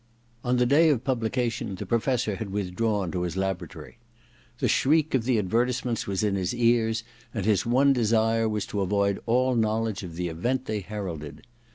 On the day of publication the Professor had withdrawn to his laboratory. The shriek of the advertisements was in his ears, and his one desire was to avoid all knowledge of the event they heralded.